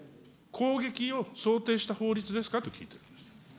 攻撃を想定した法律ですかと聞いてるんです。